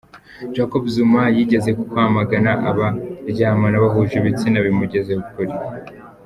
Jacob Zuma yigeze kwamagana abaryamana bahuje ibitsina bimugeza kure.